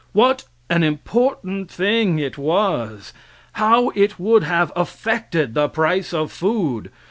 What an important thing it was! How it would have affected the price of food!